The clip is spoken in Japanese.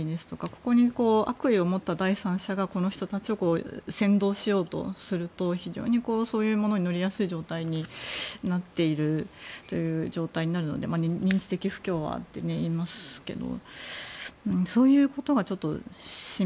ここに悪意を持った第三者がこの人たちを扇動しようとすると非常にそういうものに乗りやすい状態になるので認知的不協和と言いますけど。